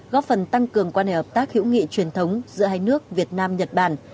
góp phần tăng cường quan hệ hợp tác hữu nghị truyền thống giữa hai nước việt nam nhật bản